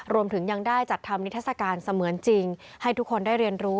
รวมถึงยังได้จัดทำนิทัศกาลเสมือนจริงให้ทุกคนได้เรียนรู้